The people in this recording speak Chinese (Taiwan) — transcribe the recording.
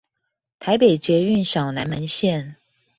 台北捷運小南門線